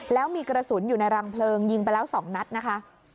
แล้วมีกระสุนอยู่ในรังเพลิงยิงไปแล้ว๒นัดนะคะ